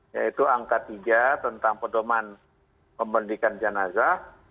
yaitu angka tiga tentang pedoman pembendikan jenasa